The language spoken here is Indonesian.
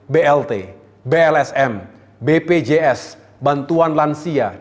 blt blsm bpjs bantuan lansia